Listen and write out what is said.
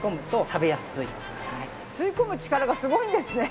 吸い込む力がすごいんですね！